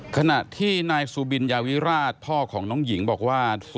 ขณะที่นายสุบินยาวิราชพ่อของน้องหญิงบอกว่า